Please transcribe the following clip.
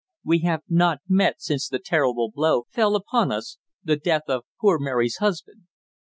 "We have not met since the terrible blow fell upon us the death of poor Mary's husband."